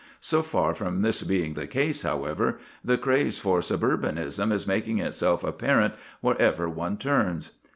So far from this being the case, however, the craze for suburbanism is making itself apparent wherever one turns.